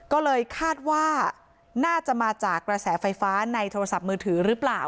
ก็เลยคาดว่าน่าจะมาจากกระแสไฟฟ้าในโทรศัพท์มือถือหรือเปล่า